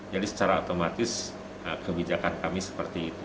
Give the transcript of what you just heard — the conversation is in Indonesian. jadi secara otomatis kebijakan kami seperti itu